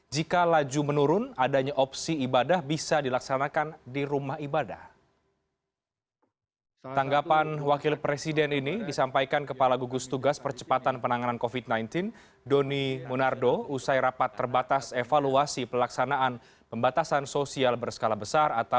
jika laju menurun adanya opsi ibadah bisa dilaksanakan di rumah ibadah